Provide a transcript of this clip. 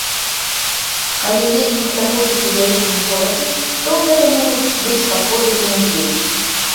Калі летнік праходзіць у вялікім горадзе, то гэта могуць быць паходы ў музеі.